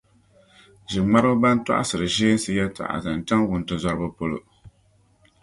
ʒiŋmariba bɛn tɔɣisiri ʒeensi yɛtɔɣa zaŋ chaŋ wuntizɔriba polo.